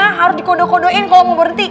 harus dikodok kodokin kalau mau berhenti